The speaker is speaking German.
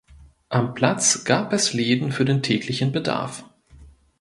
Am Platz gab es Läden für den täglichen Bedarf.